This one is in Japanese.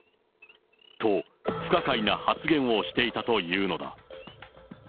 と、不可解な発言をしていたというのだ。